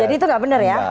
jadi itu gak benar ya